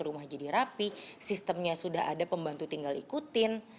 rumah jadi rapi sistemnya sudah ada pembantu tinggal ikutin